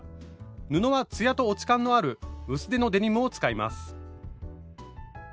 布はツヤと落ち感のある薄手のデニムを使います。